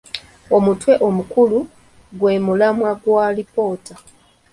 Omutwe omukulu, gwe mulamwa gw'alipoota.